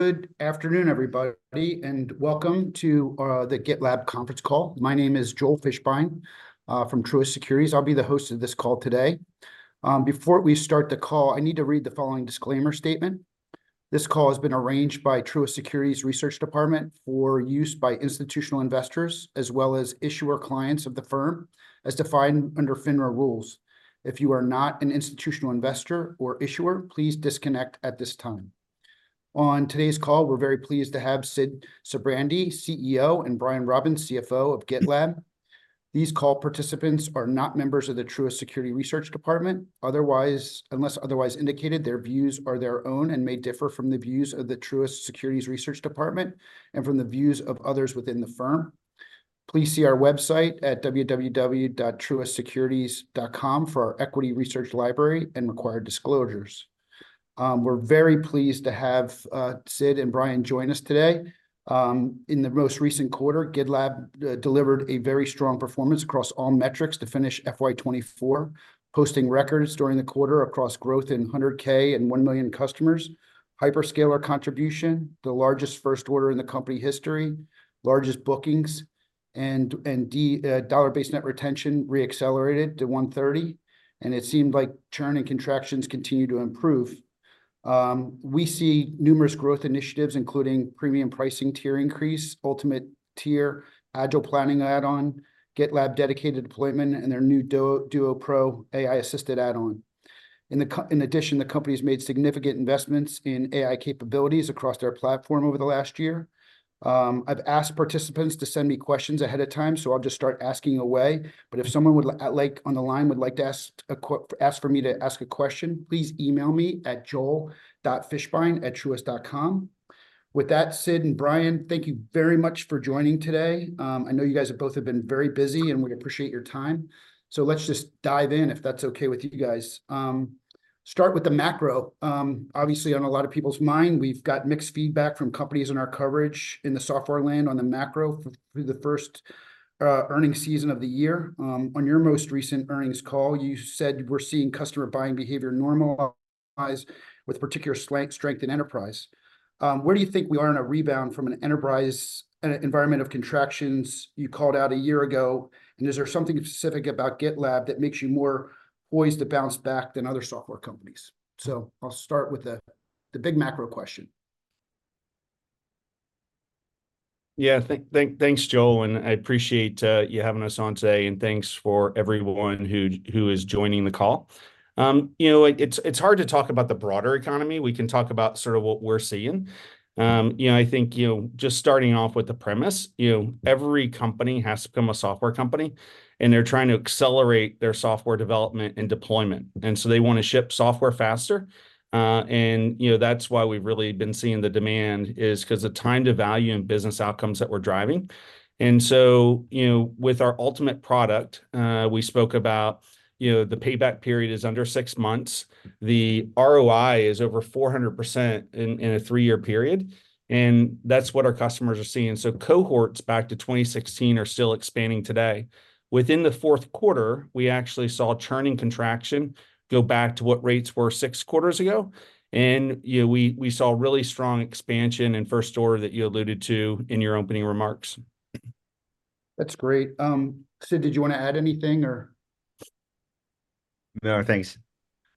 Good afternoon, everybody, and welcome to the GitLab conference call. My name is Joel Fishbein from Truist Securities. I'll be the host of this call today. Before we start the call, I need to read the following disclaimer statement. This call has been arranged by Truist Securities Research Department for use by institutional investors as well as issuer clients of the firm as defined under FINRA rules. If you are not an institutional investor or issuer, please disconnect at this time. On today's call, we're very pleased to have Sid Sijbrandij, CEO, and Brian Robbins, CFO of GitLab. These call participants are not members of the Truist Securities Research Department unless otherwise indicated. Their views are their own and may differ from the views of the Truist Securities Research Department and from the views of others within the firm. Please see our website at www.truistsecurities.com for our equity research library and required disclosures. We're very pleased to have Sid and Brian join us today. In the most recent quarter, GitLab delivered a very strong performance across all metrics to finish FY 2024, posting records during the quarter across growth in 100,000 and 1,000,000 customers, hyperscaler contribution, the largest first order in the company history, largest bookings, and dollar-based net retention reaccelerated to 130%. It seemed like churn and contractions continued to improve. We see numerous growth initiatives, including Premium pricing tier increase, Ultimate tier, Agile Planning add-on, GitLab Dedicated deployment, and their new Duo Pro AI-assisted add-on. In addition, the company has made significant investments in AI capabilities across their platform over the last year. I've asked participants to send me questions ahead of time, so I'll just start asking away. If someone would like on the line would like to ask for me to ask a question, please email me at Joel.Fishbein@truist.com. With that, Sid and Brian, thank you very much for joining today. I know you guys both have been very busy, and we appreciate your time. Let's just dive in, if that's okay with you guys. Start with the macro. Obviously, on a lot of people's mind, we've got mixed feedback from companies in our coverage in the software land on the macro through the first earnings season of the year. On your most recent earnings call, you said we're seeing customer buying behavior normalize with particular strength in enterprise. Where do you think we are in a rebound from an enterprise environment of contractions you called out a year ago? Is there something specific about GitLab that makes you more poised to bounce back than other software companies? I'll start with the big macro question. Yeah, thanks, Joel, and I appreciate you having us on today, and thanks for everyone who is joining the call. You know, it's hard to talk about the broader economy. We can talk about sort of what we're seeing. You know, I think, you know, just starting off with the premise, you know, every company has to become a software company, and they're trying to accelerate their software development and deployment. And so they want to ship software faster. And you know, that's why we've really been seeing the demand is because of the time to value and business outcomes that we're driving. And so, you know, with our Ultimate product, we spoke about, you know, the payback period is under six months. The ROI is over 400% in a three-year period. And that's what our customers are seeing. So cohorts back to 2016 are still expanding today. Within the Q4, we actually saw churning contraction go back to what rates were six quarters ago. You know, we saw really strong expansion in first order that you alluded to in your opening remarks. That's great. Sid, did you want to add anything, or? No, thanks.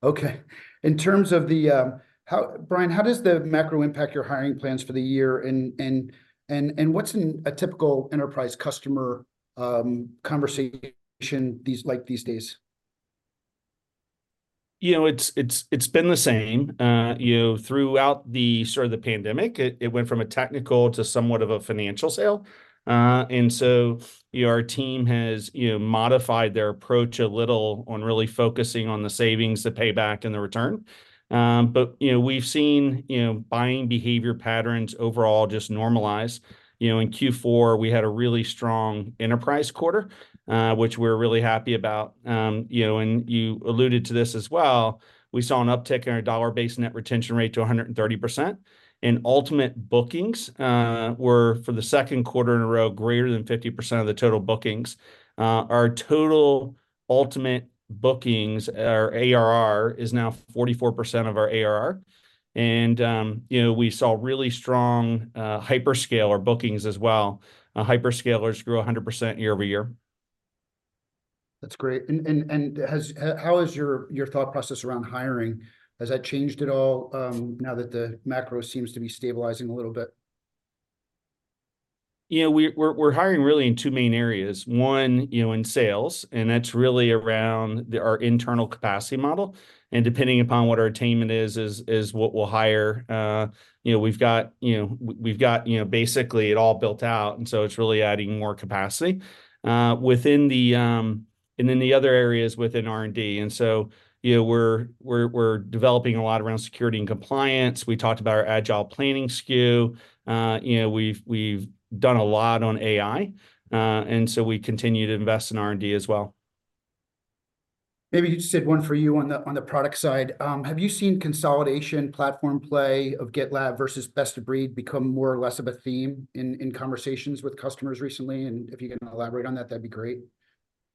Okay. In terms of, Brian, how does the macro impact your hiring plans for the year? And what's a typical enterprise customer conversation like these days? You know, it's been the same. You know, throughout the sort of the pandemic, it went from a technical to somewhat of a financial sale. And so our team has, you know, modified their approach a little on really focusing on the savings, the payback, and the return. But you know, we've seen, you know, buying behavior patterns overall just normalize. You know, in Q4, we had a really strong enterprise quarter, which we're really happy about. You know, and you alluded to this as well. We saw an uptick in our dollar-based net retention rate to 130%. And Ultimate bookings were for the second quarter in a row greater than 50% of the total bookings. Our total Ultimate bookings, our ARR, is now 44% of our ARR. And you know, we saw really strong hyperscaler bookings as well. Hyperscalers grew 100% year-over-year. That's great. How has your thought process around hiring changed at all now that the macro seems to be stabilizing a little bit? You know, we're hiring really in two main areas. One, you know, in sales, and that's really around our internal capacity model. And depending upon what our attainment is, is what we'll hire. You know, we've got, you know, we've got, you know, basically it all built out, and so it's really adding more capacity. And then the other area is within R&D. And so, you know, we're developing a lot around security and compliance. We talked about our Agile Planning SKU. You know, we've done a lot on AI. And so we continue to invest in R&D as well. Maybe just Sid one for you on the product side. Have you seen consolidation, platform play of GitLab versus best of breed become more or less of a theme in conversations with customers recently? And if you can elaborate on that, that'd be great.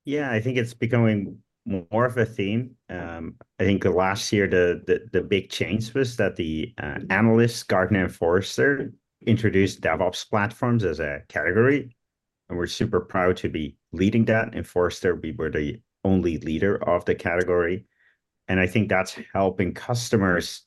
Yeah, I think it's becoming more of a theme. I think last year the big change was that the analysts, Gartner and Forrester, introduced DevOps platforms as a category. We're super proud to be leading that. Forrester, we were the only leader of the category. I think that's helping customers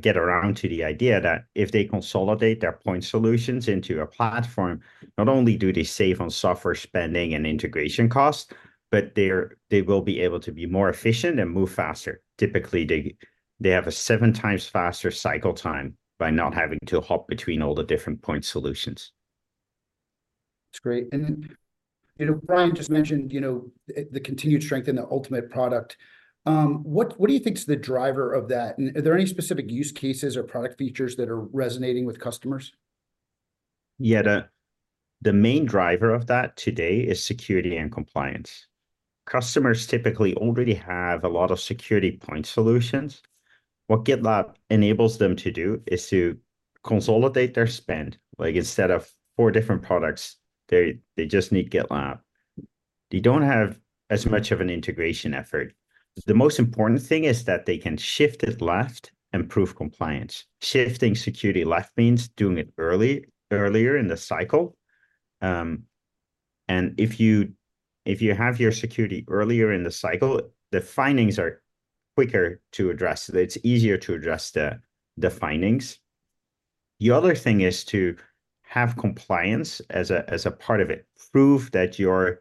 get around to the idea that if they consolidate their point solutions into a platform, not only do they save on software spending and integration costs, but they will be able to be more efficient and move faster. Typically, they have a seven times faster cycle time by not having to hop between all the different point solutions. That's great. And you know, Brian just mentioned, you know, the continued strength in the Ultimate product. What do you think is the driver of that? And are there any specific use cases or product features that are resonating with customers? Yeah, the main driver of that today is security and compliance. Customers typically already have a lot of security point solutions. What GitLab enables them to do is to consolidate their spend. Like instead of four different products, they just need GitLab. They don't have as much of an integration effort. The most important thing is that they can shift it left and prove compliance. Shifting security left means doing it earlier in the cycle. And if you have your security earlier in the cycle, the findings are quicker to address. It's easier to address the findings. The other thing is to have compliance as a part of it. Prove that you're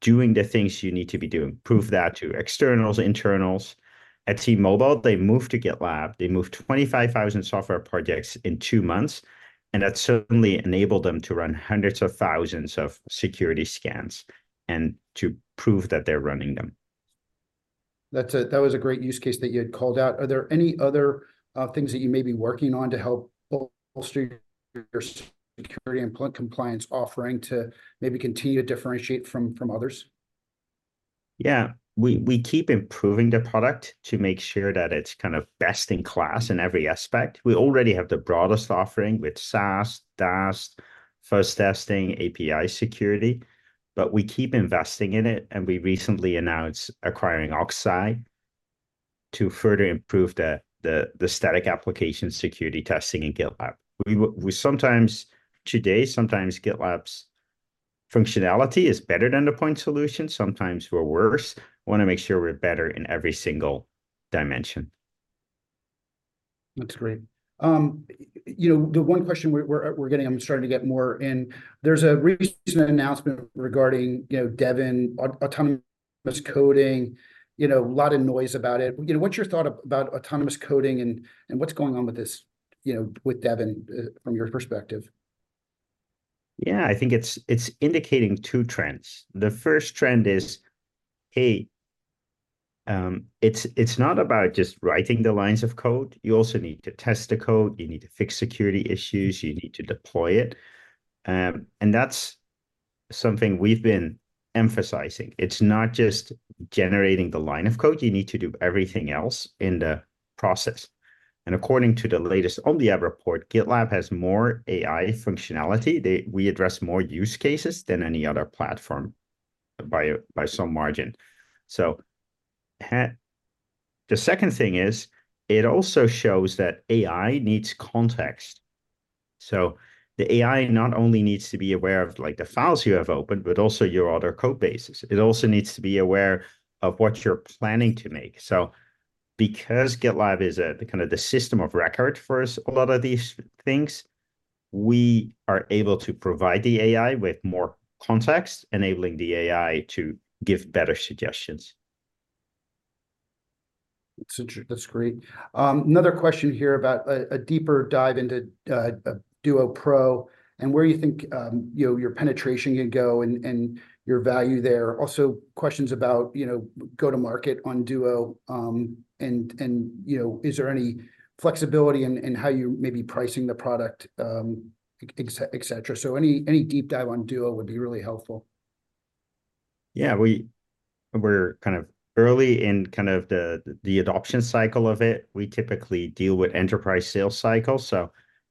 doing the things you need to be doing. Prove that to externals, internals. At T-Mobile, they moved to GitLab. They moved 25,000 software projects in two months. That certainly enabled them to run hundreds of thousands of security scans and to prove that they're running them. That was a great use case that you had called out. Are there any other things that you may be working on to help bolster your security and compliance offering to maybe continue to differentiate from others? Yeah, we keep improving the product to make sure that it's kind of best in class in every aspect. We already have the broadest offering with SaaS, DAST, SAST, API security. But we keep investing in it, and we recently announced acquiring Oxeye to further improve the static application security testing in GitLab. Today, sometimes GitLab's functionality is better than the point solution. Sometimes we're worse. We want to make sure we're better in every single dimension. That's great. You know, the one question we're getting, I'm starting to get more in. There's a recent announcement regarding, you know, Devin, autonomous coding. You know, a lot of noise about it. You know, what's your thought about autonomous coding and what's going on with this, you know, with Devin from your perspective? Yeah, I think it's indicating two trends. The first trend is, hey, it's not about just writing the lines of code. You also need to test the code. You need to fix security issues. You need to deploy it. And that's something we've been emphasizing. It's not just generating the line of code. You need to do everything else in the process. And according to the latest Omdia report, GitLab has more AI functionality. We address more use cases than any other platform by some margin. So the second thing is it also shows that AI needs context. So the AI not only needs to be aware of like the files you have opened, but also your other codebases. It also needs to be aware of what you're planning to make. So because GitLab is kind of the system of record for a lot of these things, we are able to provide the AI with more context, enabling the AI to give better suggestions. That's great. Another question here about a deeper dive into Duo Pro and where you think your penetration can go and your value there. Also questions about, you know, go-to-market on Duo and, you know, is there any flexibility in how you may be pricing the product, etc. So any deep dive on Duo would be really helpful. Yeah, we're kind of early in kind of the adoption cycle of it. We typically deal with enterprise sales cycles. So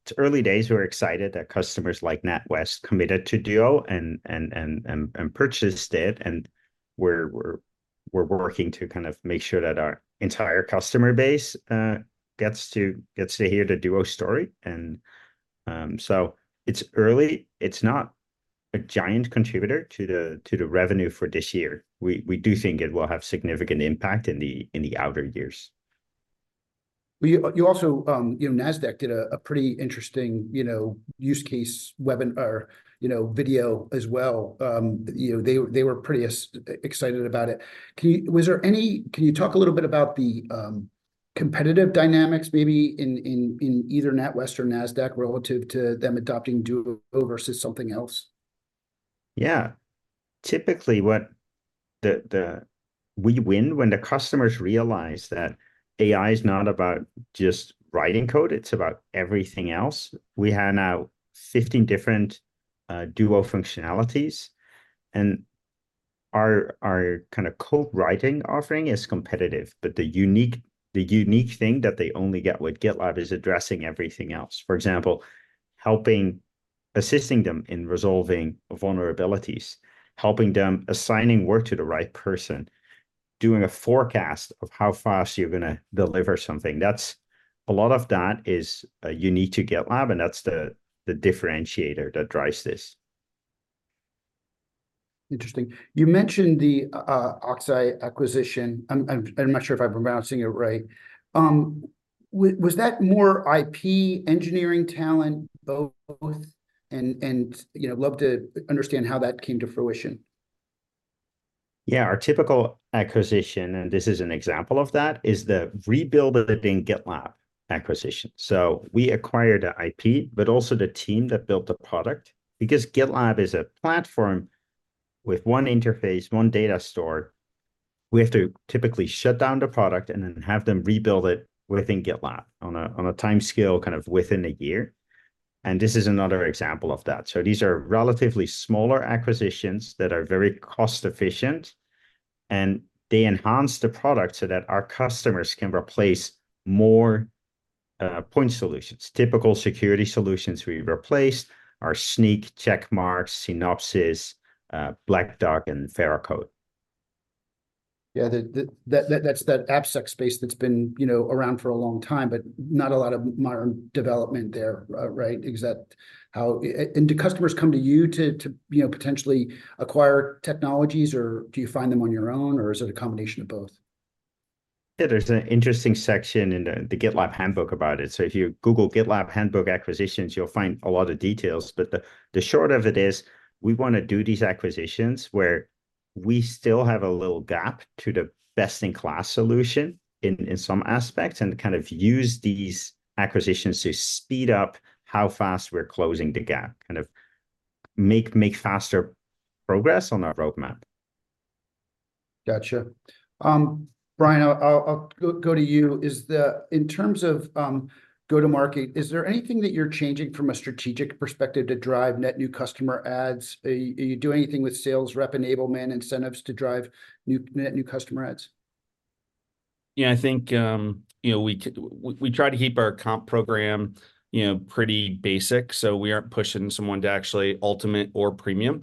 it's early days. We're excited that customers like NatWest committed to Duo and purchased it. And we're working to kind of make sure that our entire customer base gets to hear the Duo story. And so it's early. It's not a giant contributor to the revenue for this year. We do think it will have significant impact in the outer years. You also, you know, NASDAQ did a pretty interesting, you know, use case webinar or, you know, video as well. You know, they were pretty excited about it. Was there any, can you talk a little bit about the competitive dynamics maybe in either NatWest or NASDAQ relative to them adopting Duo versus something else? Yeah. Typically, what we win when the customers realize that AI is not about just writing code, it's about everything else. We have now 15 different Duo functionalities. And our kind of code writing offering is competitive, but the unique thing that they only get with GitLab is addressing everything else. For example, helping, assisting them in resolving vulnerabilities, helping them assigning work to the right person, doing a forecast of how fast you're going to deliver something. A lot of that is unique to GitLab, and that's the differentiator that drives this. Interesting. You mentioned the Oxeye acquisition. I'm not sure if I'm pronouncing it right. Was that more IP engineering talent both? And, you know, love to understand how that came to fruition. Yeah, our typical acquisition, and this is an example of that, is the rebuilding GitLab acquisition. So we acquired an IP, but also the team that built the product because GitLab is a platform with one interface, one data store. We have to typically shut down the product and then have them rebuild it within GitLab on a timescale kind of within a year. And this is another example of that. So these are relatively smaller acquisitions that are very cost-efficient. And they enhance the product so that our customers can replace more point solutions. Typical security solutions we replaced are Snyk, Checkmarx, Synopsys, Black Duck, and Veracode. Yeah, that's that abstract space that's been, you know, around for a long time, but not a lot of modern development there, right? Is that how, and do customers come to you to, you know, potentially acquire technologies, or do you find them on your own, or is it a combination of both? Yeah, there's an interesting section in the GitLab handbook about it. So if you Google GitLab handbook acquisitions, you'll find a lot of details. But the short of it is we want to do these acquisitions where we still have a little gap to the best-in-class solution in some aspects and kind of use these acquisitions to speed up how fast we're closing the gap, kind of make faster progress on our roadmap. Gotcha. Brian, I'll go to you. In terms of go-to-market, is there anything that you're changing from a strategic perspective to drive net new customer adds? Are you doing anything with sales rep enablement incentives to drive net new customer adds? Yeah, I think, you know, we try to keep our comp program, you know, pretty basic. So we aren't pushing someone to actually ultimate or premium.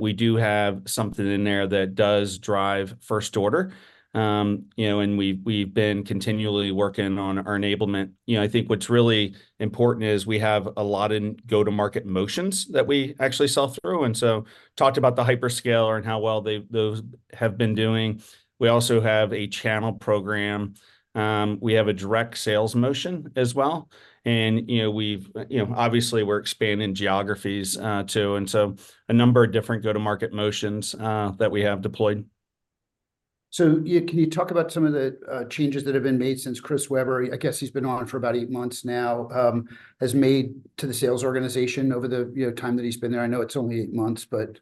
We do have something in there that does drive first order. You know, and we've been continually working on our enablement. You know, I think what's really important is we have a lot of go-to-market motions that we actually sell through. And so talked about the hyperscaler and how well those have been doing. We also have a channel program. We have a direct sales motion as well. And, you know, obviously, we're expanding geographies too. And so a number of different go-to-market motions that we have deployed. So can you talk about some of the changes that have been made since Chris Weber, I guess he's been on for about eight months now, has made to the sales organization over the time that he's been there? I know it's only eight months, but.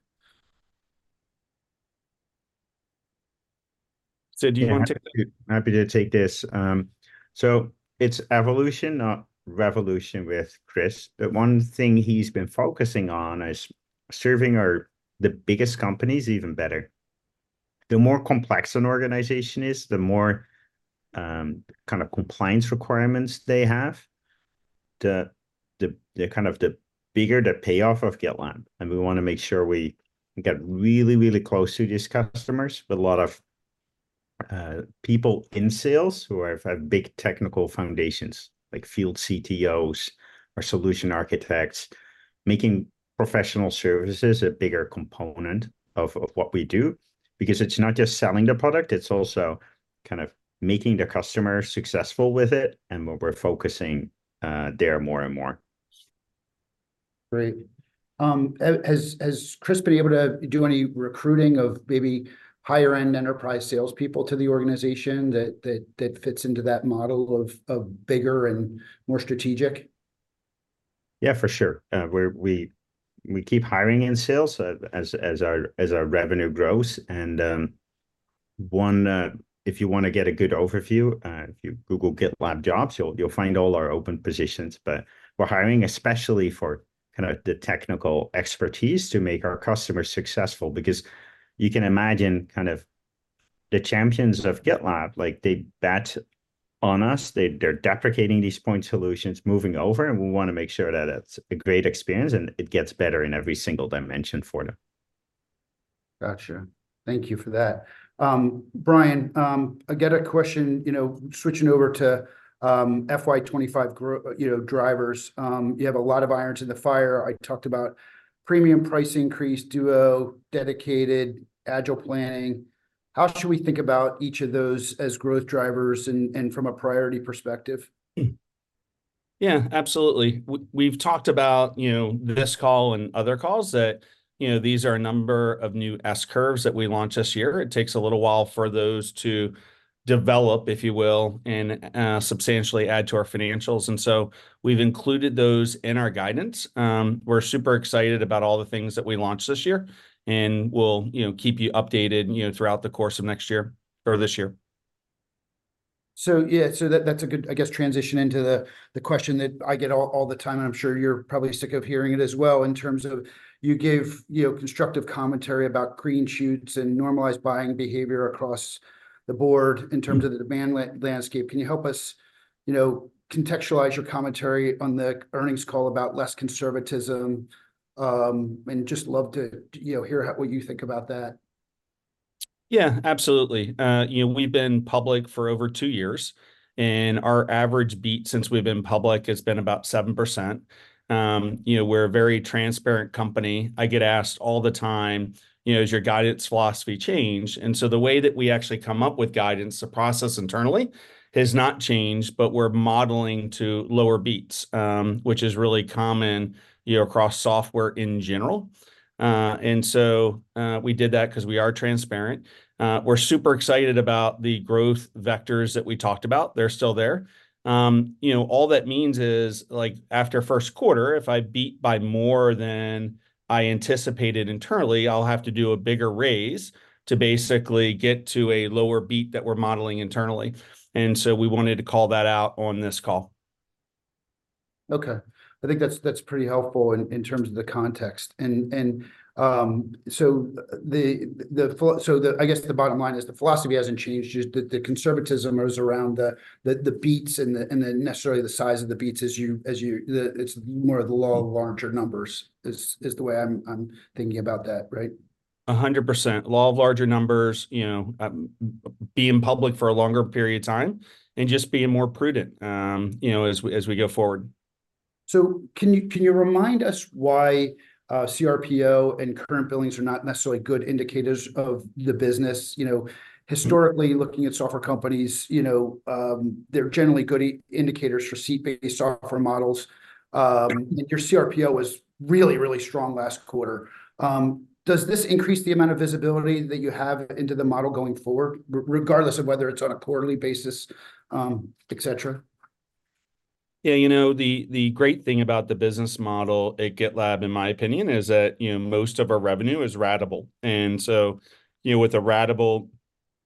Sid, do you want to take that? Happy to take this. So it's evolution, not revolution with Chris, but one thing he's been focusing on is serving the biggest companies even better. The more complex an organization is, the more kind of compliance requirements they have, the kind of bigger the payoff of GitLab. And we want to make sure we get really, really close to these customers with a lot of people in sales who have big technical foundations, like field CTOs or solution architects, making professional services a bigger component of what we do because it's not just selling the product. It's also kind of making the customer successful with it and what we're focusing there more and more. Great. Has Chris been able to do any recruiting of maybe higher-end enterprise salespeople to the organization that fits into that model of bigger and more strategic? Yeah, for sure. We keep hiring in sales as our revenue grows. And if you want to get a good overview, if you Google GitLab jobs, you'll find all our open positions. But we're hiring especially for kind of the technical expertise to make our customers successful because you can imagine kind of the champions of GitLab, like they bet on us. They're deprecating these point solutions, moving over, and we want to make sure that it's a great experience and it gets better in every single dimension for them. Gotcha. Thank you for that. Brian, I get a question, you know, switching over to FY25, you know, drivers. You have a lot of irons in the fire. I talked about Premium price increase, Duo, Dedicated, Agile Planning. How should we think about each of those as growth drivers and from a priority perspective? Yeah, absolutely. We've talked about, you know, this call and other calls that, you know, these are a number of new S-curves that we launched this year. It takes a little while for those to develop, if you will, and substantially add to our financials. And so we've included those in our guidance. We're super excited about all the things that we launched this year and we'll keep you updated throughout the course of next year or this year. So yeah, so that's a good, I guess, transition into the question that I get all the time, and I'm sure you're probably sick of hearing it as well in terms of you gave, you know, constructive commentary about green shoots and normalized buying behavior across the board in terms of the demand landscape. Can you help us, you know, contextualize your commentary on the earnings call about less conservatism? And just love to hear what you think about that. Yeah, absolutely. You know, we've been public for over two years. Our average beat since we've been public has been about 7%. You know, we're a very transparent company. I get asked all the time, you know, has your guidance philosophy changed? So the way that we actually come up with guidance, the process internally, has not changed, but we're modeling to lower beats, which is really common, you know, across software in general. So we did that because we are transparent. We're super excited about the growth vectors that we talked about. They're still there. You know, all that means is like after Q1, if I beat by more than I anticipated internally, I'll have to do a bigger raise to basically get to a lower beat that we're modeling internally. So we wanted to call that out on this call. Okay. I think that's pretty helpful in terms of the context. So I guess the bottom line is the philosophy hasn't changed, just that the conservatism is around the beats and necessarily the size of the beats as you, it's more of the law of larger numbers is the way I'm thinking about that, right? 100%. Law of larger numbers, you know, being public for a longer period of time and just being more prudent, you know, as we go forward. So can you remind us why CRPO and calculated billings are not necessarily good indicators of the business? You know, historically looking at software companies, you know, they're generally good indicators for seat-based software models. Your CRPO was really, really strong last quarter. Does this increase the amount of visibility that you have into the model going forward, regardless of whether it's on a quarterly basis, etc.? Yeah, you know, the great thing about the business model at GitLab, in my opinion, is that, you know, most of our revenue is ratable. And so, you know, with a ratable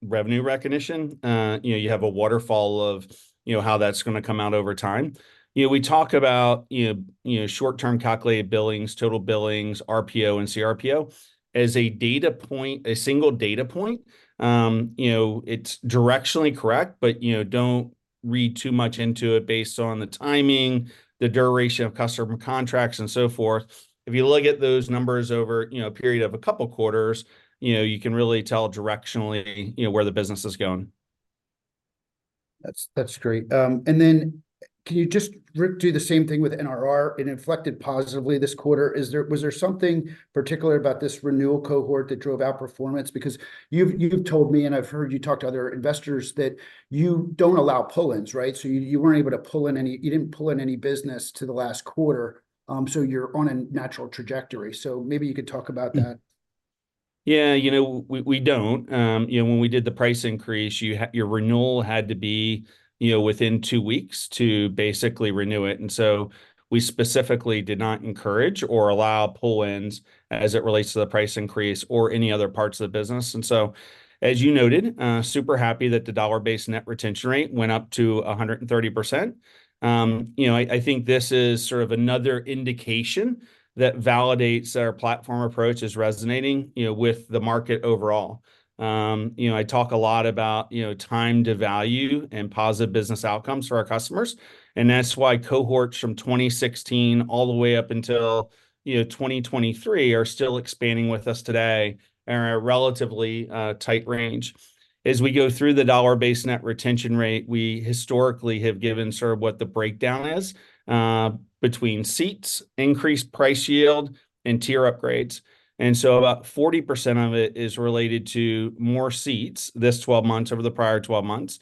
revenue recognition, you know, you have a waterfall of, you know, how that's going to come out over time. You know, we talk about, you know, short-term calculated billings, total billings, RPO, and CRPO as a data point, a single data point. You know, it's directionally correct, but, you know, don't read too much into it based on the timing, the duration of customer contracts, and so forth. If you look at those numbers over, you know, a period of a couple of quarters, you know, you can really tell directionally, you know, where the business is going. That's great. Then can you just do the same thing with NRR? It inflected positively this quarter. Was there something particular about this renewal cohort that drove the performance? Because you've told me, and I've heard you talk to other investors, that you don't allow pull-ins, right? So you weren't able to pull in any, you didn't pull in any business into the last quarter. So you're on a natural trajectory. So maybe you could talk about that. Yeah, you know, we don't. You know, when we did the price increase, your renewal had to be, you know, within two weeks to basically renew it. And so we specifically did not encourage or allow pull-ins as it relates to the price increase or any other parts of the business. And so, as you noted, super happy that the Dollar-Based Net Retention Rate went up to 130%. You know, I think this is sort of another indication that validates our platform approach is resonating, you know, with the market overall. You know, I talk a lot about, you know, time to value and positive business outcomes for our customers. And that's why cohorts from 2016 all the way up until, you know, 2023 are still expanding with us today in a relatively tight range. As we go through the dollar-based net retention rate, we historically have given sort of what the breakdown is between seats, increased price yield, and tier upgrades. About 40% of it is related to more seats this 12 months over the prior 12 months.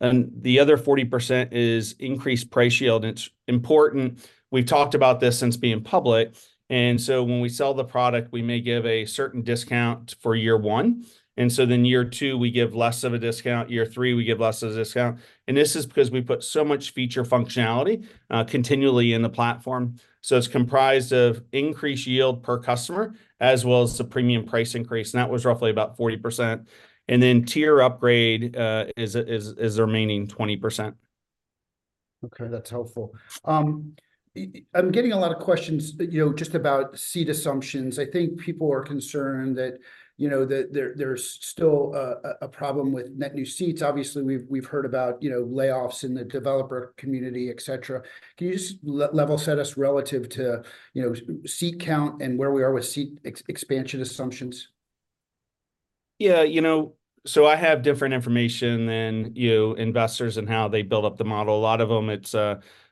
The other 40% is increased price yield. It's important. We've talked about this since being public. When we sell the product, we may give a certain discount for year one. Then year two, we give less of a discount. Year three, we give less of a discount. This is because we put so much feature functionality continually in the platform. It's comprised of increased yield per customer as well as the Premium price increase. That was roughly about 40%. Tier upgrade is the remaining 20%. Okay, that's helpful. I'm getting a lot of questions, you know, just about seat assumptions. I think people are concerned that, you know, there's still a problem with net new seats. Obviously, we've heard about, you know, layoffs in the developer community, etc. Can you just level set us relative to, you know, seat count and where we are with seat expansion assumptions? Yeah, you know, so I have different information than, you know, investors and how they build up the model. A lot of them, it's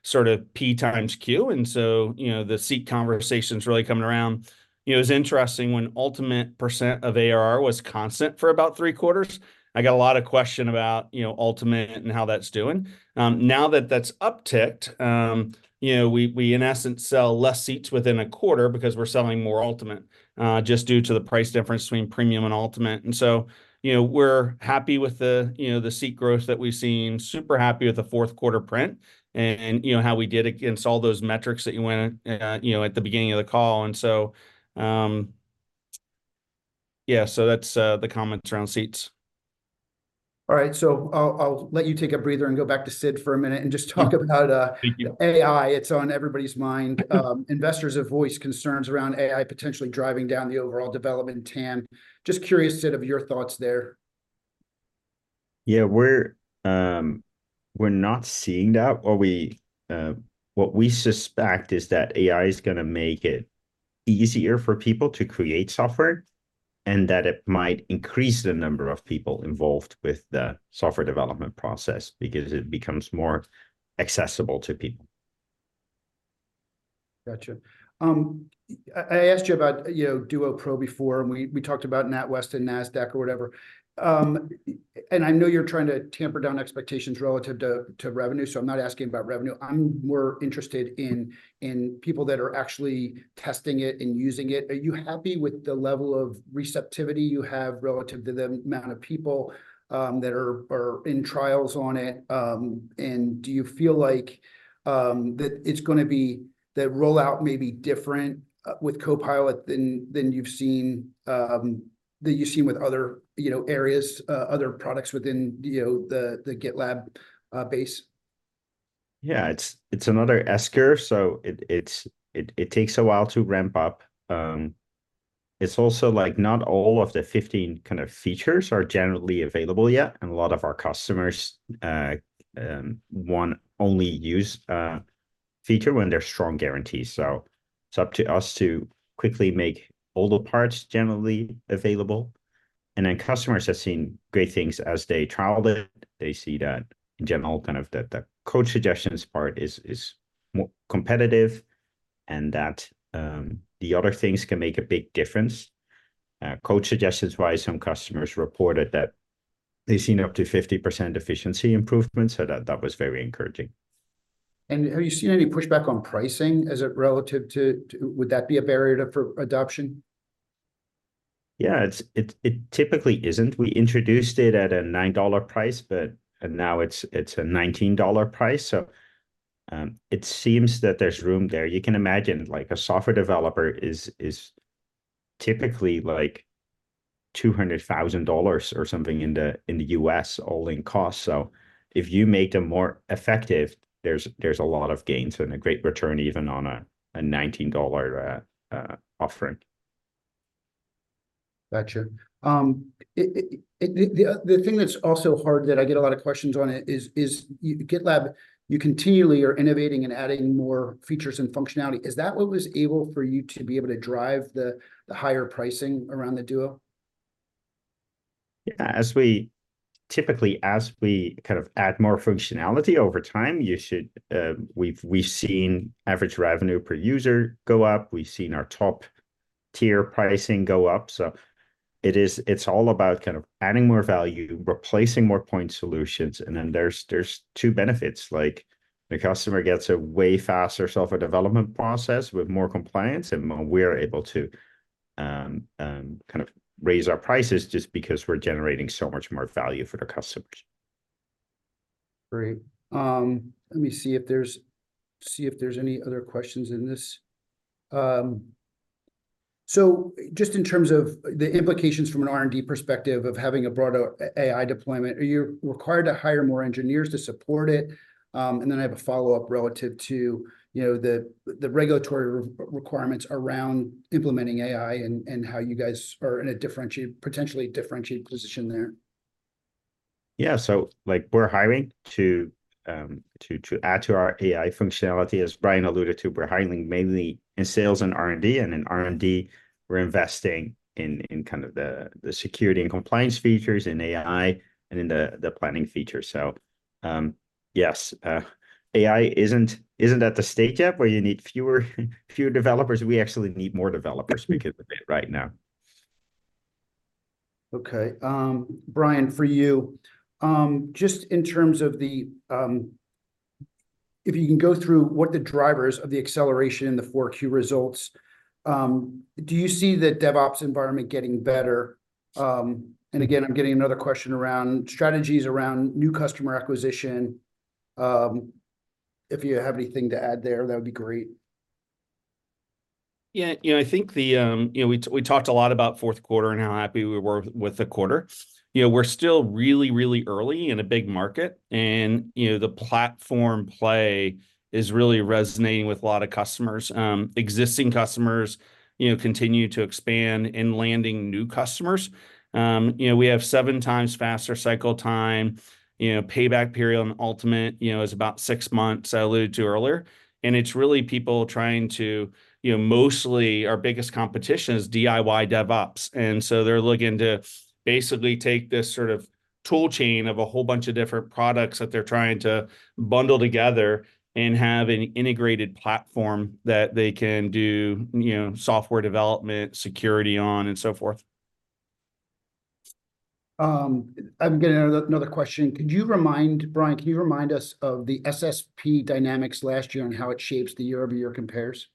sort of P times Q. And so, you know, the seat conversation's really coming around. You know, it was interesting when Ultimate percent of ARR was constant for about three quarters. I got a lot of questions about, you know, Ultimate and how that's doing. Now that that's upticked, you know, we in essence sell less seats within a quarter because we're selling more Ultimate just due to the price difference between Premium and Ultimate. And so, you know, we're happy with the, you know, the seat growth that we've seen. Super happy with the Q4 print and, you know, how we did against all those metrics that you went, you know, at the beginning of the call. And so, yeah, so that's the comments around seats. All right, so I'll let you take a breather and go back to Sid for a minute and just talk about AI. It's on everybody's mind. Investors have voiced concerns around AI potentially driving down the overall development time. Just curious, Sid, of your thoughts there. Yeah, we're not seeing that. What we suspect is that AI is going to make it easier for people to Create software and that it might increase the number of people involved with the software development process because it becomes more accessible to people. Gotcha. I asked you about, you know, Duo Pro before, and we talked about NatWest and NASDAQ or whatever. And I know you're trying to tamper down expectations relative to revenue, so I'm not asking about revenue. I'm more interested in people that are actually testing it and using it. Are you happy with the level of receptivity you have relative to the amount of people that are in trials on it? And do you feel like that it's going to be the rollout may be different with Copilot than you've seen that you've seen with other, you know, areas, other products within, you know, the GitLab base? Yeah, it's another S-curve. So it takes a while to ramp up. It's also like not all of the 15 kind of features are generally available yet. And a lot of our customers want only use feature when there's strong guarantees. So it's up to us to quickly make all the parts generally available. And then customers have seen great things as they trialed it. They see that in general, kind of that the Code Suggestions part is more competitive and that the other things can make a big difference. Code Suggestions-wise, some customers reported that they've seen up to 50% efficiency improvements, so that was very encouraging. Have you seen any pushback on pricing as it's relative to, would that be a barrier for adoption? Yeah, it typically isn't. We introduced it at a $9 price, but now it's a $19 price. So it seems that there's room there. You can imagine like a software developer is typically like $200,000 or something in the U.S. all-in costs. So if you make them more effective, there's a lot of gains and a great return even on a $19 offering. Gotcha. The thing that's also hard that I get a lot of questions on is GitLab, you continually are innovating and adding more features and functionality. Is that what was able for you to be able to drive the higher pricing around the Duo? Yeah, as we typically, as we kind of add more functionality over time, we've seen average revenue per user go up. We've seen our top tier pricing go up. So it's all about kind of adding more value, replacing more point solutions. And then there's two benefits. Like the customer gets a way faster software development process with more compliance, and we're able to kind of raise our prices just because we're generating so much more value for the customers. Great. Let me see if there's any other questions in this. So just in terms of the implications from an R&D perspective of having a broader AI deployment, are you required to hire more engineers to support it? And then I have a follow-up relative to, you know, the regulatory requirements around implementing AI and how you guys are in a potentially differentiated position there. Yeah, so like we're hiring to add to our AI functionality. As Brian alluded to, we're hiring mainly in sales and R&D. And in R&D, we're investing in kind of the security and compliance features in AI and in the planning features. So yes, AI isn't at the stage yet where you need fewer developers. We actually need more developers because of it right now. Okay. Brian, for you, just in terms of the, if you can go through what the drivers of the acceleration in the 4Q results, do you see the DevOps environment getting better? And again, I'm getting another question around strategies around new customer acquisition. If you have anything to add there, that would be great. Yeah, you know, I think the, you know, we talked a lot about Q4 and how happy we were with the quarter. You know, we're still really, really early in a big market. And, you know, the platform play is really resonating with a lot of customers. Existing customers, you know, continue to expand and landing new customers. You know, we have 7 times faster cycle time. You know, payback period on Ultimate, you know, is about 6 months, I alluded to earlier. And it's really people trying to, you know, mostly our biggest competition is DIY DevOps. And so they're looking to basically take this sort of toolchain of a whole bunch of different products that they're trying to bundle together and have an integrated platform that they can do, you know, software development, security on, and so forth. I'm getting another question. Could you remind us, Brian, of the SSP dynamics last year and how it shapes the year-over-year compares?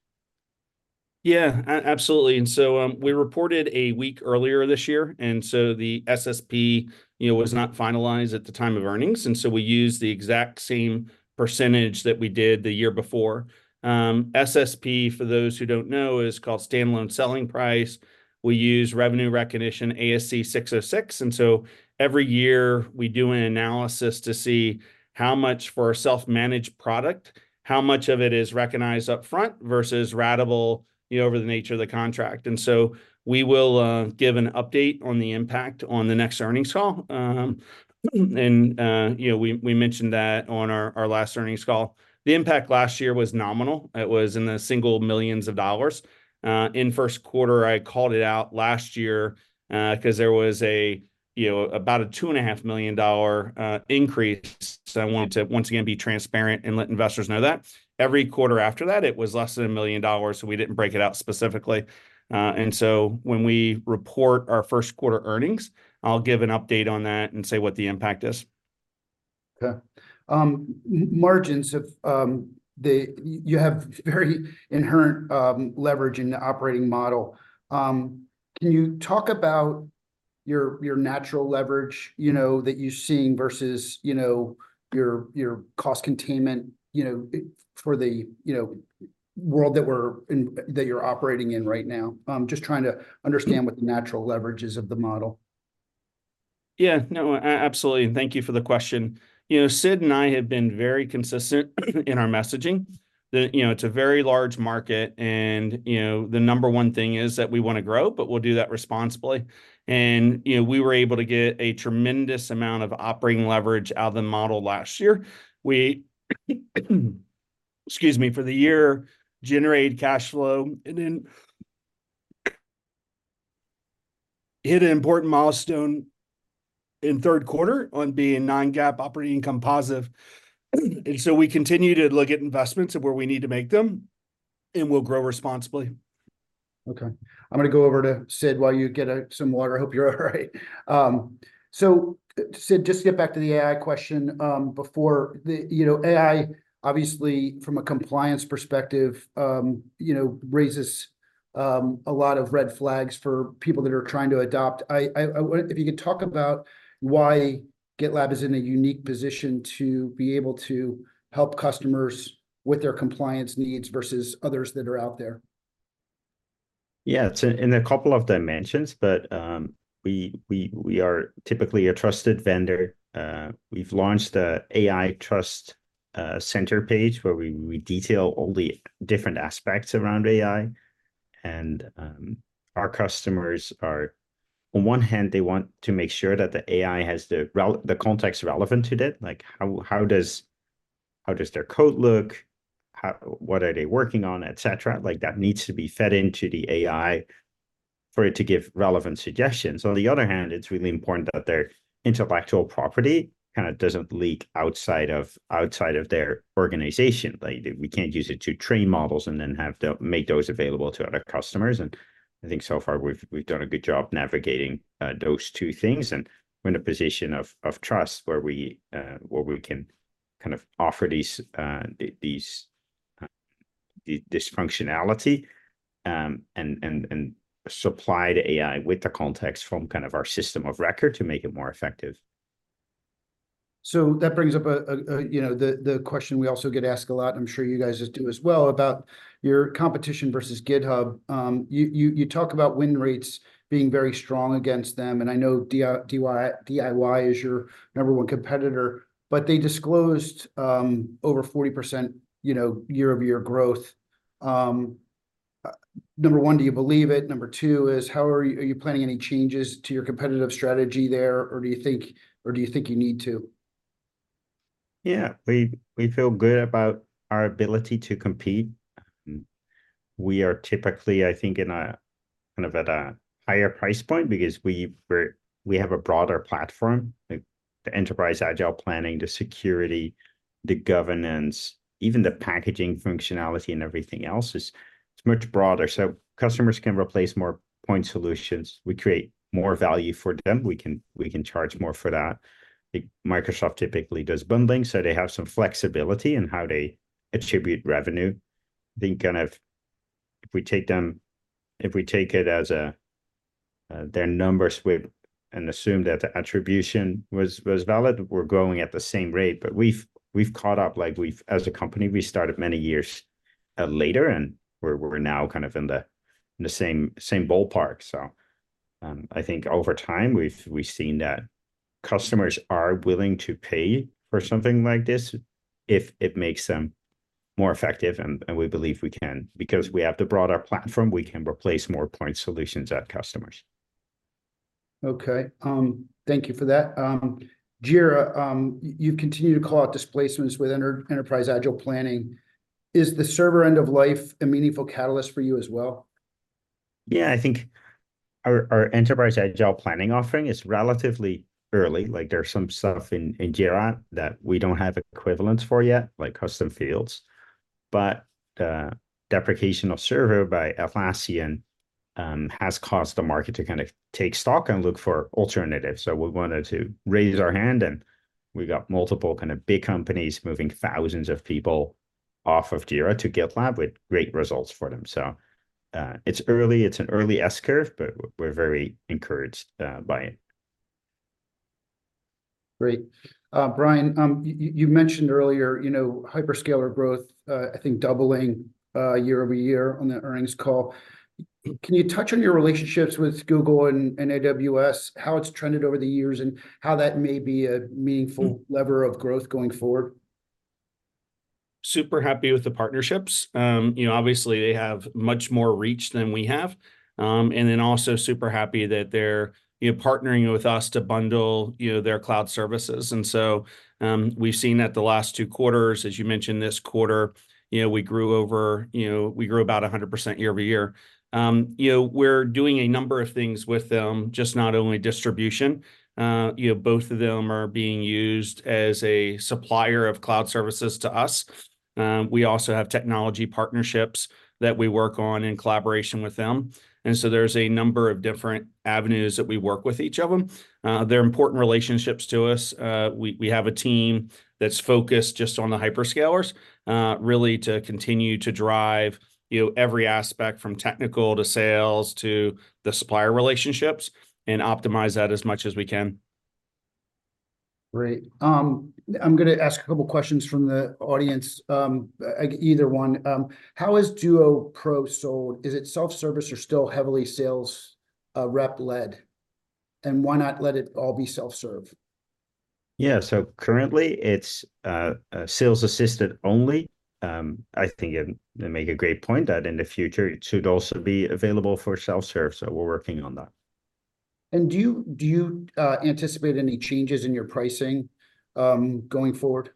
Yeah, absolutely. And so we reported a week earlier this year. And so the SSP, you know, was not finalized at the time of earnings. And so we used the exact same percentage that we did the year before. SSP, for those who don't know, is called standalone selling price. We use revenue recognition ASC 606. And so every year, we do an analysis to see how much for our self-managed product, how much of it is recognized upfront versus ratable, you know, over the nature of the contract. And so we will give an update on the impact on the next earnings call. And, you know, we mentioned that on our last earnings call. The impact last year was nominal. It was in the $ single millions. In Q1, I called it out last year because there was a, you know, about a $2.5 million increase. So I wanted to once again be transparent and let investors know that. Every quarter after that, it was less than $1 million. So we didn't break it out specifically. And so when we report our Q1 earnings, I'll give an update on that and say what the impact is. Okay. Margins. You have very inherent leverage in the operating model. Can you talk about your natural leverage, you know, that you're seeing versus, you know, your cost containment, you know, for the, you know, world that we're in, that you're operating in right now? Just trying to understand what the natural leverage is of the model. Yeah, no, absolutely. Thank you for the question. You know, Sid and I have been very consistent in our messaging. You know, it's a very large market and, you know, the number one thing is that we want to grow, but we'll do that responsibly. You know, we were able to get a tremendous amount of operating leverage out of the model last year. We, excuse me, for the year, generated cash flow and then hit an important milestone in Q3 on being non-GAAP operating income positive. So we continue to look at investments of where we need to make them. We'll grow responsibly. Okay. I'm going to go over to Sid while you get some water. I hope you're all right. So Sid, just to get back to the AI question before, you know, AI, obviously, from a compliance perspective, you know, raises a lot of red flags for people that are trying to adopt. If you could talk about why GitLab is in a unique position to be able to help customers with their compliance needs versus others that are out there? Yeah, it's in a couple of dimensions, but we are typically a trusted vendor. We've launched an AI trust center page where we detail all the different aspects around AI. Our customers are, on one hand, they want to make sure that the AI has the context relevant to it. Like how does their code look? What are they working on, etc.? Like that needs to be fed into the AI for it to give relevant suggestions. On the other hand, it's really important that their intellectual property kind of doesn't leak outside of their organization. Like we can't use it to train models and then have to make those available to other customers. I think so far we've done a good job navigating those two things. We're in a position of trust where we can kind of offer this functionality and supply the AI with the context from kind of our system of record to make it more effective. So that brings up, you know, the question we also get asked a lot, and I'm sure you guys do as well, about your competition versus GitHub. You talk about win rates being very strong against them. And I know DIY is your number one competitor, but they disclosed over 40%, you know, year-over-year growth. Number one, do you believe it? Number two is, how are you planning any changes to your competitive strategy there? Or do you think, or do you think you need to? Yeah, we feel good about our ability to compete. We are typically, I think, in a kind of at a higher price point because we have a broader platform. The enterprise agile planning, the security, the governance, even the packaging functionality and everything else is much broader. So customers can replace more point solutions. We create more value for them. We can charge more for that. Microsoft typically does bundling, so they have some flexibility in how they attribute revenue. I think kind of if we take them, if we take it as their numbers and assume that the attribution was valid, we're growing at the same rate. But we've caught up, like as a company, we started many years later and we're now kind of in the same ballpark. I think over time, we've seen that customers are willing to pay for something like this if it makes them more effective. We believe we can. Because we have the broader platform, we can replace more point solutions at customers. Okay. Thank you for that. Jira, you've continued to call out displacements with Enterprise Agile Planning. Is the server end of life a meaningful catalyst for you as well? Yeah, I think our Enterprise Agile Planning offering is relatively early. Like there's some stuff in Jira that we don't have equivalents for yet, like custom fields. But deprecation of server by Atlassian has caused the market to kind of take stock and look for alternatives. So we wanted to raise our hand and we got multiple kind of big companies moving thousands of people off of Jira to GitLab with great results for them. So it's early. It's an early S-curve, but we're very encouraged by it. Great. Brian, you mentioned earlier, you know, hyperscaler growth, I think doubling year-over-year on the earnings call. Can you touch on your relationships with Google and AWS, how it's trended over the years and how that may be a meaningful lever of growth going forward? Super happy with the partnerships. You know, obviously, they have much more reach than we have. And then also super happy that they're, you know, partnering with us to bundle, you know, their cloud services. And so we've seen that the last two quarters, as you mentioned, this quarter, you know, we grew over, you know, we grew about 100% year-over-year. You know, we're doing a number of things with them, just not only distribution. You know, both of them are being used as a supplier of cloud services to us. We also have technology partnerships that we work on in collaboration with them. And so there's a number of different avenues that we work with each of them. They're important relationships to us. We have a team that's focused just on the hyperscalers, really to continue to drive, you know, every aspect from technical to sales to the supplier relationships and optimize that as much as we can. Great. I'm going to ask a couple of questions from the audience, either one. How is Duo Pro sold? Is it self-service or still heavily sales rep-led? And why not let it all be self-serve? Yeah, so currently, it's sales assisted only. I think they make a great point that in the future, it should also be available for self-serve. So we're working on that. Do you anticipate any changes in your pricing going forward?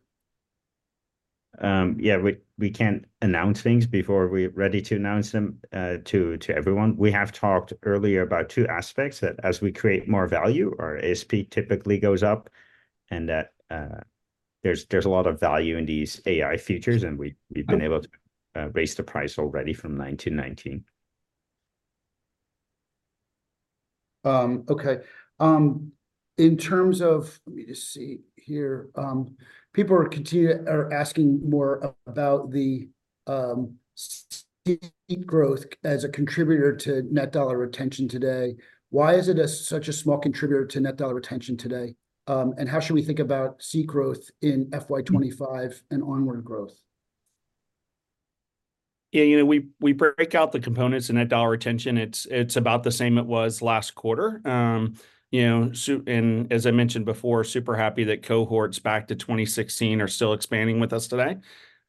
Yeah, we can't announce things before we're ready to announce them to everyone. We have talked earlier about two aspects that as we create more value, our ASP typically goes up and that there's a lot of value in these AI features and we've been able to raise the price already from $9 to 19. Okay. In terms of, let me just see here. People are asking more about the seat growth as a contributor to net dollar retention today. Why is it such a small contributor to net dollar retention today? And how should we think about seat growth in FY25 and onward growth? Yeah, you know, we break out the components and net dollar retention. It's about the same it was last quarter. You know, and as I mentioned before, super happy that cohorts back to 2016 are still expanding with us today.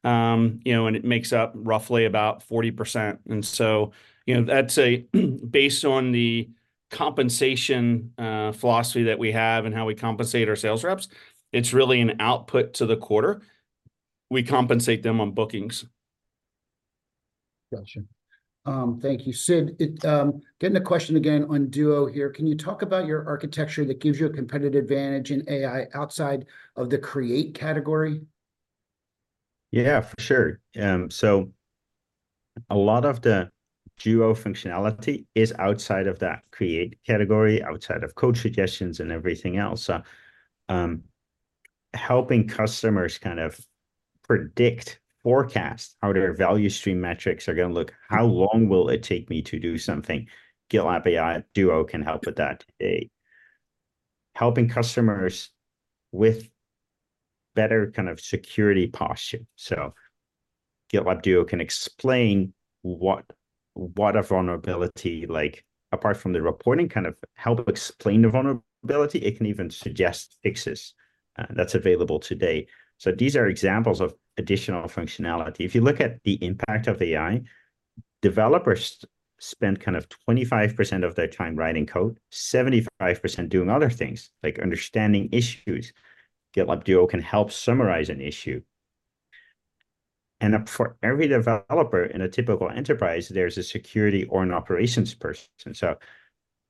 You know, and it makes up roughly about 40%. And so, you know, that's based on the compensation philosophy that we have and how we compensate our sales reps. It's really an output to the quarter. We compensate them on bookings. Gotcha. Thank you. Sid, getting a question again on Duo here. Can you talk about your architecture that gives you a competitive advantage in AI outside of the Create category? Yeah, for sure. So a lot of the Duo functionality is outside of that Create category, outside of Code Suggestions and everything else. So helping customers kind of predict, forecast how their value stream metrics are going to look, how long will it take me to do something? GitLab Duo can help with that today. Helping customers with better kind of security posture. So GitLab Duo can explain what a vulnerability, like apart from the reporting kind of help explain the vulnerability, it can even suggest fixes. That's available today. So these are examples of additional functionality. If you look at the impact of AI, developers spend kind of 25% of their time writing code, 75% doing other things, like understanding issues. GitLab Duo can help summarize an issue. And for every developer in a typical enterprise, there's a security or an operations person. So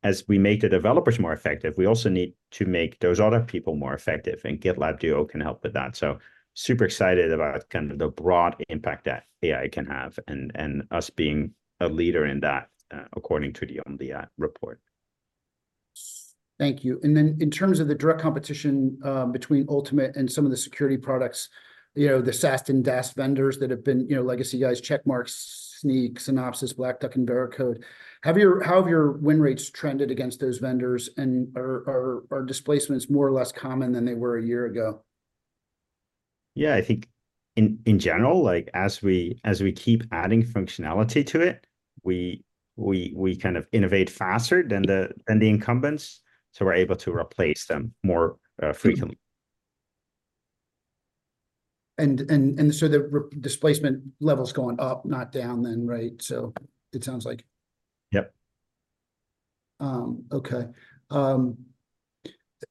as we make the developers more effective, we also need to make those other people more effective. And GitLab Duo can help with that. So super excited about kind of the broad impact that AI can have and us being a leader in that according to the Omdia report. Thank you. And then in terms of the direct competition between Ultimate and some of the security products, you know, the SAST and DAST vendors that have been, you know, legacy guys, Checkmarx, Snyk, Synopsys, Black Duck, and Veracode. How have your win rates trended against those vendors and are displacements more or less common than they were a year ago? Yeah, I think in general, like as we keep adding functionality to it, we kind of innovate faster than the incumbents. So we're able to replace them more frequently. And so the displacement level's going up, not down then, right? So it sounds like. Yep. Okay.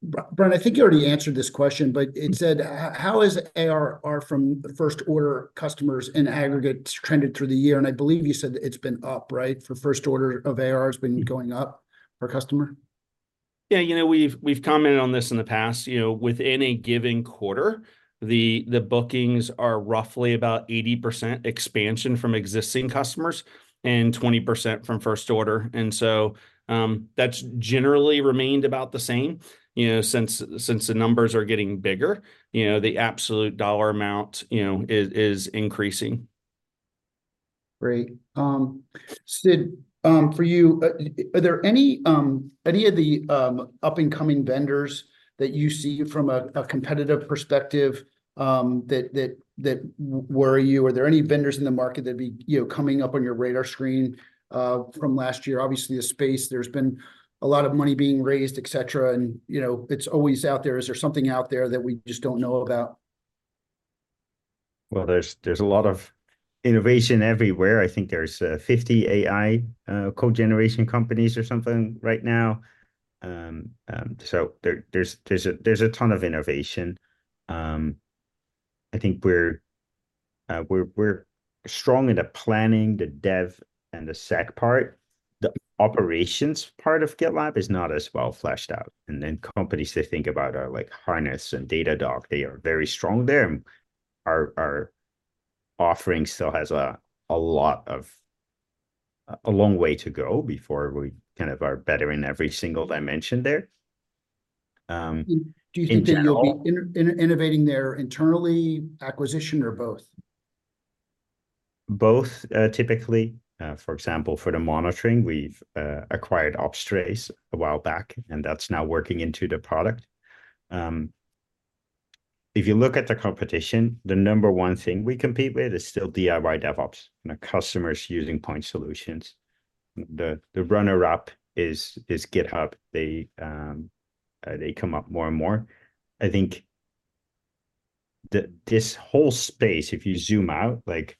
Brian, I think you already answered this question, but it said, how has ARR from first-order customers in aggregate trended through the year? And I believe you said that it's been up, right? For first order of ARR has been going up per customer? Yeah, you know, we've commented on this in the past. You know, within a given quarter, the bookings are roughly about 80% expansion from existing customers and 20% from first order. And so that's generally remained about the same, you know, since the numbers are getting bigger. You know, the absolute dollar amount, you know, is increasing. Great. Sid, for you, are there any of the up-and-coming vendors that you see from a competitive perspective that worry you? Are there any vendors in the market that'd be, you know, coming up on your radar screen from last year? Obviously, the space, there's been a lot of money being raised, etc. And, you know, it's always out there. Is there something out there that we just don't know about? Well, there's a lot of innovation everywhere. I think there's 50 AI code generation companies or something right now. So there's a ton of innovation. I think we're strong in the planning, the dev, and the SAST part. The operations part of GitLab is not as well fleshed out. And then companies they think about are like Harness and Datadog. They are very strong there. And our offering still has a lot of a long way to go before we kind of are better in every single dimension there. Do you think that you'll be innovating there internally, acquisition, or both? Both typically. For example, for the monitoring, we've acquired Opstrace a while back and that's now working into the product. If you look at the competition, the number one thing we compete with is still DIY DevOps. Customers using point solutions. The runner-up is GitHub. They come up more and more. I think this whole space, if you zoom out, like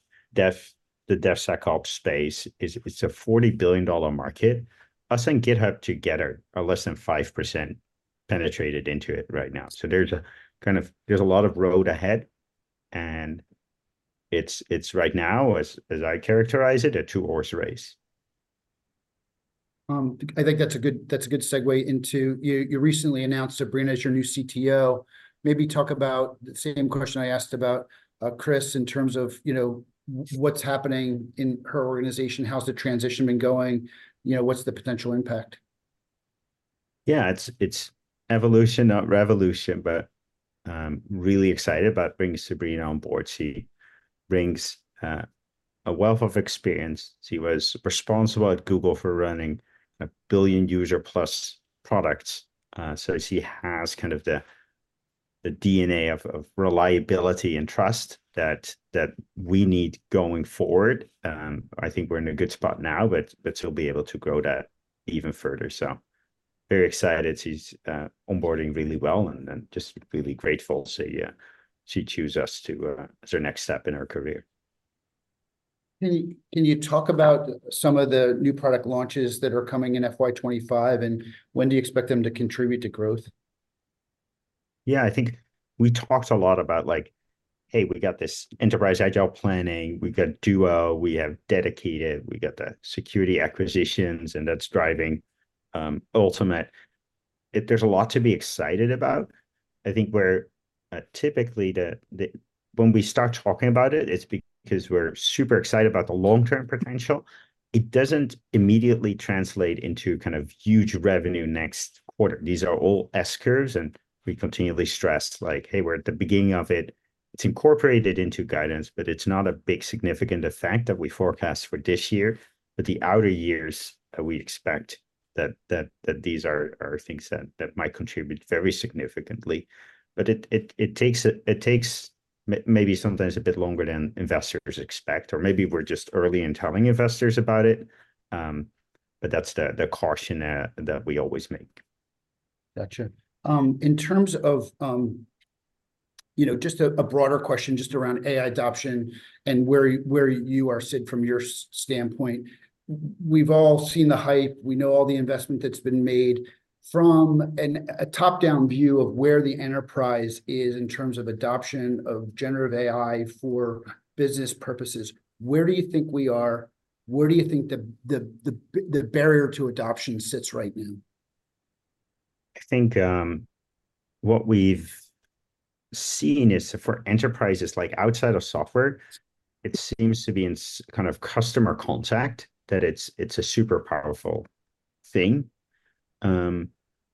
the DevSecOps space, it's a $40 billion market. Us and GitHub together are less than 5% penetrated into it right now. So there's a kind of, there's a lot of road ahead. And it's right now, as I characterize it, a two-horse race. I think that's a good segue into your recently announced Sabrina is your new CTO. Maybe talk about the same question I asked about Chris in terms of, you know, what's happening in her organization? How's the transition been going? You know, what's the potential impact? Yeah, it's evolution, not revolution, but really excited about bringing Sabrina on board. She brings a wealth of experience. She was responsible at Google for running 1 billion-user-plus products. So she has kind of the DNA of reliability and trust that we need going forward. I think we're in a good spot now, but she'll be able to grow that even further. So very excited. She's onboarding really well and just really grateful she chooses us as her next step in her career. Can you talk about some of the new product launches that are coming in FY25 and when do you expect them to contribute to growth? Yeah, I think we talked a lot about like, hey, we got this Enterprise Agile Planning. We got Duo. We have Dedicated. We got the security acquisitions and that's driving Ultimate. There's a lot to be excited about. I think where typically when we start talking about it, it's because we're super excited about the long-term potential. It doesn't immediately translate into kind of huge revenue next quarter. These are all S-curves and we continually stress like, hey, we're at the beginning of it. It's incorporated into guidance, but it's not a big significant effect that we forecast for this year. But the out years we expect that these are things that might contribute very significantly. But it takes maybe sometimes a bit longer than investors expect or maybe we're just early in telling investors about it. But that's the caution that we always make. Gotcha. In terms of, you know, just a broader question just around AI adoption and where you are, Sid, from your standpoint, we've all seen the hype. We know all the investment that's been made from a top-down view of where the enterprise is in terms of adoption of generative AI for business purposes. Where do you think we are? Where do you think the barrier to adoption sits right now? I think what we've seen is, for enterprises like outside of software, it seems to be in kind of customer contact that it's a super powerful thing.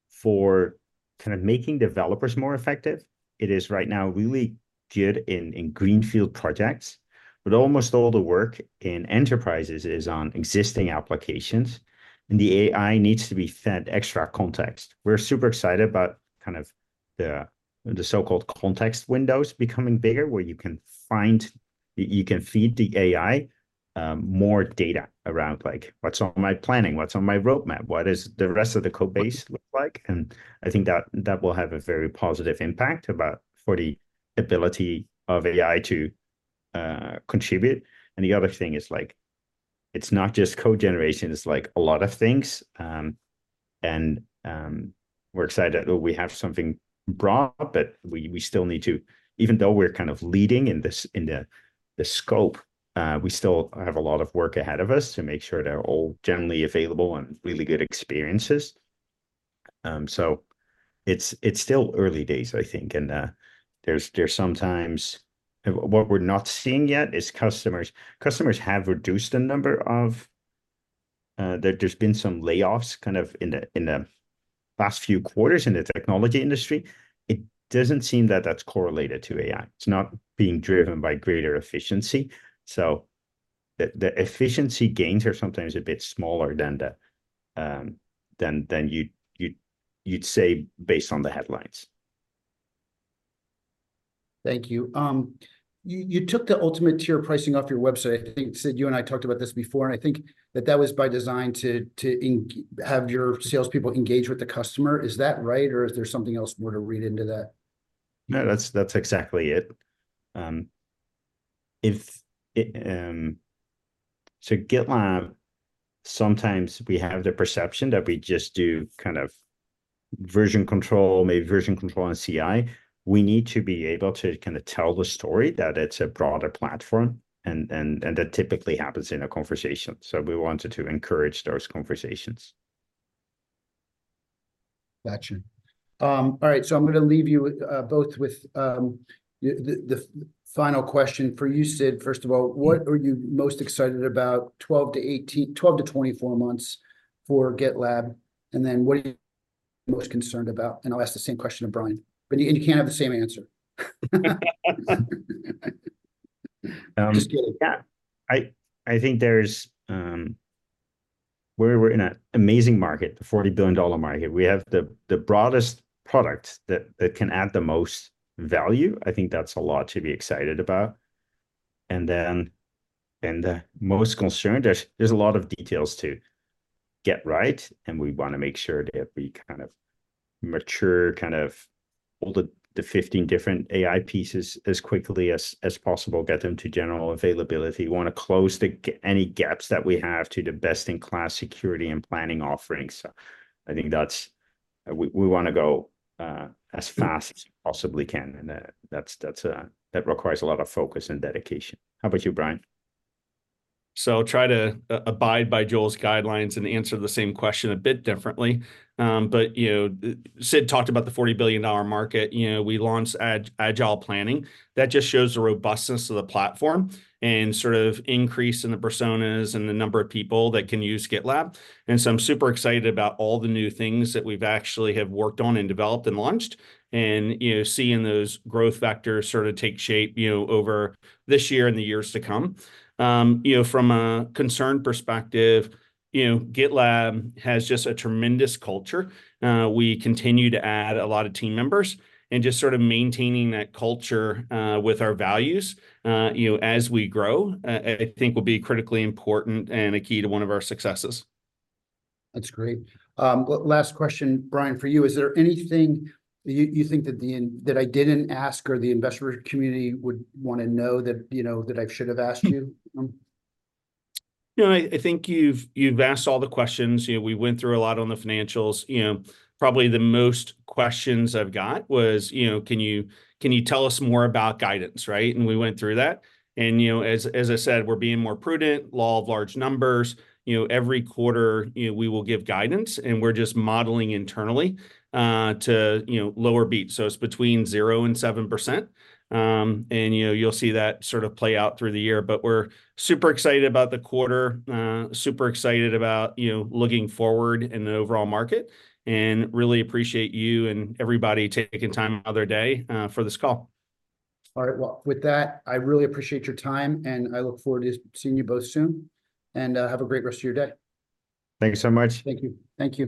For kind of making developers more effective, it is right now really good in greenfield projects. But almost all the work in enterprises is on existing applications. And the AI needs to be fed extra context. We're super excited about kind of the so-called context windows becoming bigger where you can find, you can feed the AI more data around like what's on my planning, what's on my roadmap, what does the rest of the codebase look like. And I think that will have a very positive impact about for the ability of AI to contribute. And the other thing is like it's not just code generation. It's like a lot of things. We're excited that we have something broad, but we still need to, even though we're kind of leading in the scope, we still have a lot of work ahead of us to make sure they're all generally available and really good experiences. So it's still early days, I think. And there's sometimes what we're not seeing yet is customers. Customers have reduced the number of. There's been some layoffs kind of in the last few quarters in the technology industry. It doesn't seem that that's correlated to AI. It's not being driven by greater efficiency. So the efficiency gains are sometimes a bit smaller than you'd say based on the headlines. Thank you. You took the Ultimate tier pricing off your website. I think, Sid, you and I talked about this before. I think that that was by design to have your salespeople engage with the customer. Is that right? Or is there something else more to read into that? No, that's exactly it. So GitLab, sometimes we have the perception that we just do kind of version control, maybe version control in CI. We need to be able to kind of tell the story that it's a broader platform. And that typically happens in a conversation. So we wanted to encourage those conversations. Gotcha. All right. So I'm going to leave you both with the final question for you, Sid. First of all, what are you most excited about 12 to 24 months for GitLab? And then what are you most concerned about? And I'll ask the same question to Brian. But you can't have the same answer. Just kidding. Yeah. I think we're in an amazing market, the $40 billion market. We have the broadest product that can add the most value. I think that's a lot to be excited about. And then the most concerned, there's a lot of details to get right. And we want to make sure that we kind of mature, kind of pull the 15 different AI pieces as quickly as possible, get them to general availability. We want to close any gaps that we have to the best-in-class security and planning offerings. So I think that's we want to go as fast as we possibly can. And that requires a lot of focus and dedication. How about you, Brian? So try to abide by Joel's guidelines and answer the same question a bit differently. But you know Sid talked about the $40 billion market. You know we launched Agile Planning. That just shows the robustness of the platform and sort of increase in the personas and the number of people that can use GitLab. And so I'm super excited about all the new things that we've actually have worked on and developed and launched. And seeing those growth vectors sort of take shape over this year and the years to come. From a concern perspective, GitLab has just a tremendous culture. We continue to add a lot of team members. And just sort of maintaining that culture with our values as we grow, I think, will be critically important and a key to one of our successes. That's great. Last question, Brian, for you. Is there anything you think that I didn't ask or the investor community would want to know that I should have asked you? You know I think you've asked all the questions. We went through a lot on the financials. Probably the most questions I've got was, can you tell us more about guidance, right? And we went through that. And as I said, we're being more prudent, law of large numbers. Every quarter, we will give guidance. And we're just modeling internally to lower beats. So it's between 0% and 7%. And you'll see that sort of play out through the year. But we're super excited about the quarter, super excited about looking forward in the overall market. And really appreciate you and everybody taking time out of their day for this call. All right. Well, with that, I really appreciate your time. I look forward to seeing you both soon. Have a great rest of your day. Thank you so much. Thank you. Thank you.